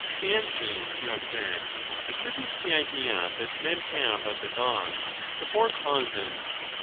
Cleanthes, you have said, attributes the idea that men have of the Gods to four cCauses.